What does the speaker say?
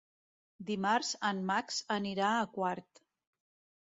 Dimarts en Max anirà a Quart.